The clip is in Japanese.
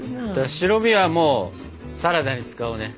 白身はもうサラダに使うね。